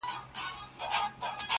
• د انصاف په تله خپل او پردي واړه..